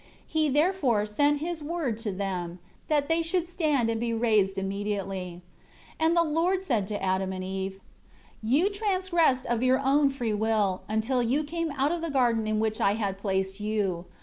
3 He, therefore, sent His Word to them; that they should stand and be raised immediately. 4 And the Lord said to Adam and Eve, "You transgressed of your own free will, until you came out of the garden in which I had placed you.